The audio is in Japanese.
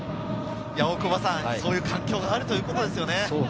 そういう環境があるということですよね。